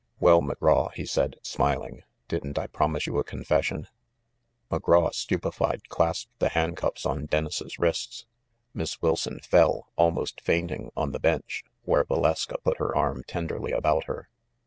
"Well, McGraw," he said, smiling, "didn't I promise you a confession?" McGraw, stupefied, clasped the handcuffs on Dennis' wrists. Miss Wilson fell, almost fainting, on the bench, where Valeska put her arm tenderly about her.